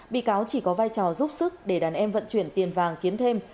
bị cáo chỉ có vai trò giúp sức để đàn em vận chuyển tiền vàng kiếm thêm